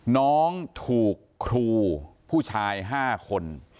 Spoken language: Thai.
น้องถูกครูผู้ชาย๕คน